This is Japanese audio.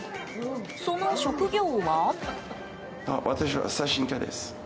その職業は。